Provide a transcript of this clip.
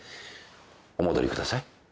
お戻りください。